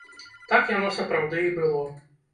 Так яно сапраўды і было.